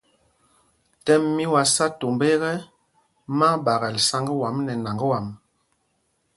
Tɛ́m mí wá sá tombá ekɛ, má á ɓaakɛl sǎŋg wǎm nɛ nǎŋg wâm.